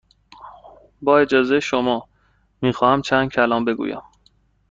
با اجازه شما، می خواهم چند کلمه بگویم.